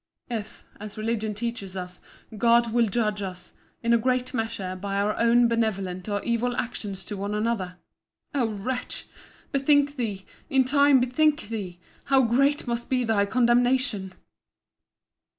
If, as religion teaches us, God will judge us, in a great measure, by our benevolent or evil actions to one another—O wretch! bethink thee, in time bethink thee, how great must be thy condemnation!